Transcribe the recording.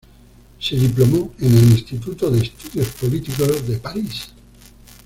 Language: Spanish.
Se diplomó en el Instituto de Estudios Políticos de París.